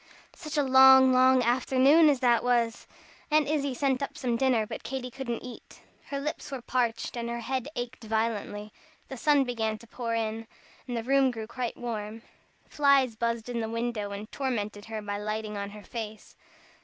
Such a long, long afternoon as that was! Aunt Izzie sent up some dinner, but Katy couldn't eat. Her lips were parched and her head ached violently. The sun began to pour in, the room grew warm. Flies buzzed in the window, and tormented her by lighting on her face.